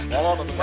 ya lo tutup ya